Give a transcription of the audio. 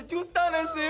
hah seratus juta